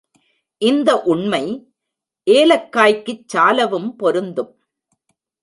இந்த உண்மை ஏலக்காய்க்குச் சாலவும் பொருந்தும்.